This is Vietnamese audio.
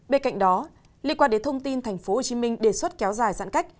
bên cạnh đó liên quan đến thông tin tp hcm đề xuất kéo dài giãn cách